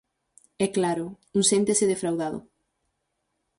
E claro, un séntese defraudado.